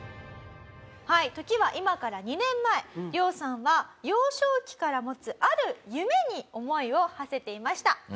はい時は今から２年前リョウさんは幼少期から持つある夢に思いをはせていました。